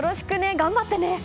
頑張ってね！